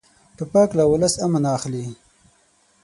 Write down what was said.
توپک له ولس امن اخلي.